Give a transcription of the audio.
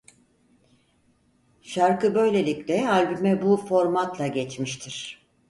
Şarkı böylelikle albüme bu formatla geçmiştir.